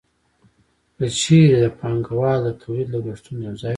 که چېرې د پانګوال د تولید لګښتونه یوځای کړو